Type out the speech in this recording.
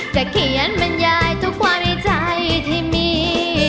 เขียนบรรยายทุกความในใจที่มี